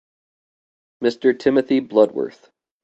Mr. Timothy Bloodworth.